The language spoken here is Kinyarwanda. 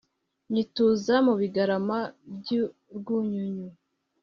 nyituza mu bigarama by'urwunyunyu